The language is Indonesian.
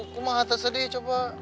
kumah tersedih coba